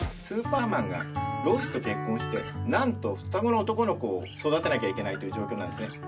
スーパーマンがロイスと結婚してなんと双子の男の子を育てなきゃいけないという状況なんですね。